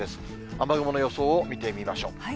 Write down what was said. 雨雲の予想を見てみましょう。